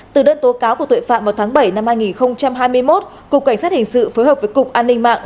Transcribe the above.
từ đơn tố cáo của tội phạm vào tháng bảy năm hai nghìn hai mươi một cục cảnh sát hình sự phối hợp với cục an ninh mạng